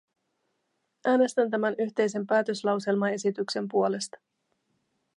Äänestän tämän yhteisen päätöslauselmaesityksen puolesta.